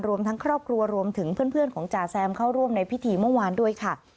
รวมทั้งครอบครัวรวมถึงเพื่อนของจ่าแซมเข้าร่วมในพิธีเมื่อวานด้วยค่ะ